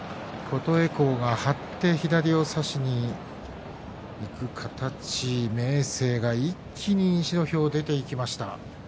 琴恵光が張って左を差しにいく形明生が一気に出ていきました。